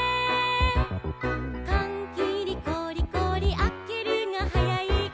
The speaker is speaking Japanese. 「かんきりゴリゴリあけるがはやいか」